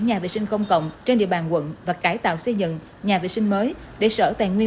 nhà vệ sinh công cộng trên địa bàn quận và cải tạo xây dựng nhà vệ sinh mới để sở tài nguyên